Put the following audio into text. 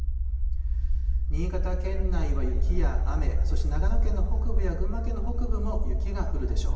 新潟県内は雪や雨、そして長野県の北部や群馬県の北部も雪が降るでしょう。